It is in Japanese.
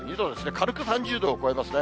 軽く３０度を超えますね。